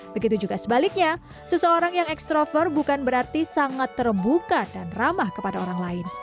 begitu juga sebaliknya seseorang yang extrover bukan berarti sangat terbuka dan ramah kepada orang lain